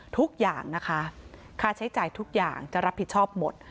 ทุกอย่างนะคะค่าใช้จ่ายทุกอย่างจะรับผิดชอบหมด